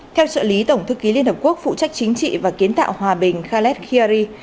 theo trợ lý tổng thư ký liên hợp quốc phụ trách chính trị và kiến tạo hòa bình khaled khayyari